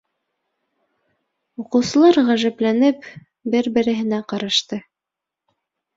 Уҡыусылар, ғәжәпләнеп, бер-береһенә ҡарашты.